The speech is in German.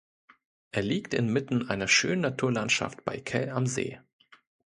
Er liegt inmitten einer schönen Naturlandschaft bei Kell am See.